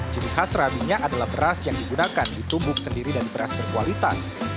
jadi khas serabinya adalah beras yang digunakan ditumbuk sendiri dari beras berkualitas